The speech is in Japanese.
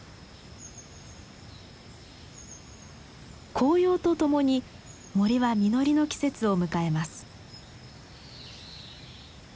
紅葉とともに森は実りの季節を迎えます。